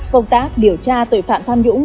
công tác điều tra tội phạm tham nhũng